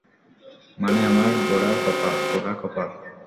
মানে আমার পোড়া কপাল।